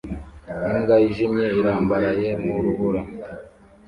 Imbwa yijimye irambaraye mu rubura